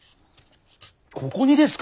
ここにですか！？